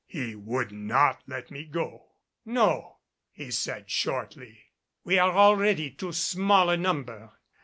He would not let me go. "No," he said shortly, "we are already too small a number.